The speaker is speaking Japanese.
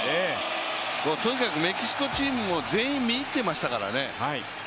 とにかくメキシコチームも全員見入ってましたからね。